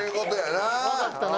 わかったな？